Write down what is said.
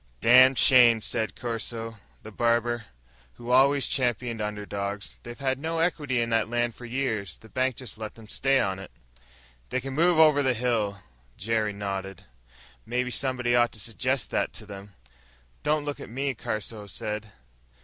"Dam' shame," said Caruso, the barber, who always championed underdogs. "They've had no equity in that land for years. The bank just let them stay on." "They can move on over the hill." Jerry nodded. "Maybe somebody ought to suggest that to them." "Don't look at me," Caruso said.